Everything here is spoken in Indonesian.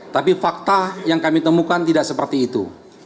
tapi fakta yang kami temukan tidak seperti itu